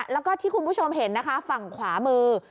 แล้วก็ที่คุณผู้ชมเห็นนะคะฝั่งขวามือ